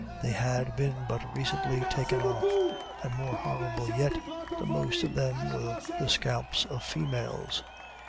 They had been but recently taken off: and more horrible yet, the most of them were the scalps of females!